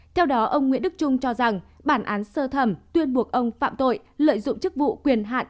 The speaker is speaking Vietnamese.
theo đó ông nguyễn đức trung cho rằng bản án sơ thẩm tuyên buộc ông phạm tội lợi dụng chức vụ quyền hạn